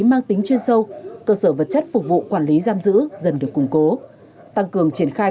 mang tính chuyên sâu cơ sở vật chất phục vụ quản lý giam giữ dần được củng cố tăng cường triển khai